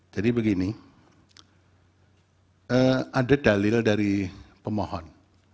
jadi begini ada dalil dari pemohon